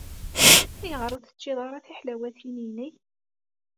Ayɣer ur teččiḍ ara tiḥlawatin-inek?